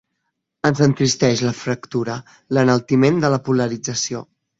Ens entristeix la fractura, l’enaltiment de la polarització.